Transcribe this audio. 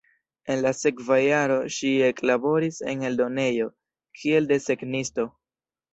En la sekva jaro ŝi eklaboris en eldonejo, kiel desegnisto.